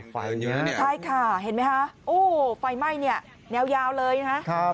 ไฟเงี้ยใช่ค่ะเห็นไหมคะโอ้โฮไฟไหม้เนี่ยแนวยาวเลยนะคะ